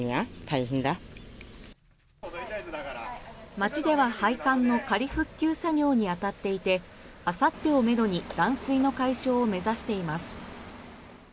町では配管の仮復旧作業に当たっていてあさってをめどに断水の解消を目指しています。